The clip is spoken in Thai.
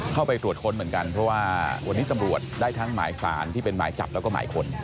เข้าไปตรวจค้นเหมือนกันเพราะว่าวันนี้ตำรวจได้ทั้งหมายสารที่เป็นหมายจับแล้วก็หมายค้น